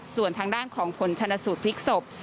ส่วนทางด้านของผลชนสูตรพลิกศพ